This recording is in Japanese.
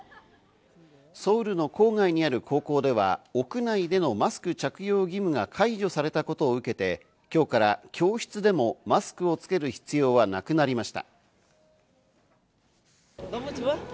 ソウルの郊外にある高校では、国内でのマスク着用義務が解除されたことを受けて、今日から教室でもマスクをつける必要はなくなりました。